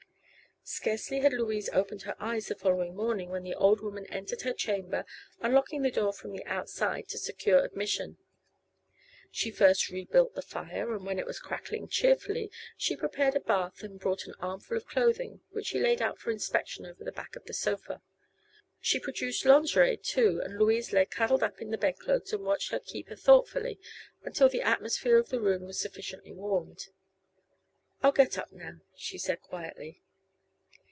Scarcely had Louise opened her eyes the following morning when the old woman entered her chamber, unlocking the door from the outside to secure admission. She first rebuilt the fire, and when it was crackling cheerfully she prepared a bath and brought an armful of clothing which she laid out for inspection over the back of a sofa. She produced lingerie, too, and Louise lay cuddled up in the bedclothes and watched her keeper thoughtfully until the atmosphere of the room was sufficiently warmed. "I'll get up, now," she said, quietly.